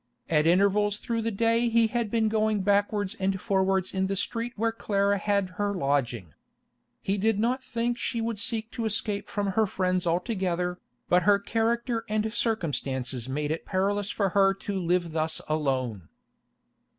At intervals through the day he had been going backwards and forwards in the street where Clara had her lodging. He did not think she would seek to escape from her friends altogether, but her character and circumstances made it perilous for her to live thus alone.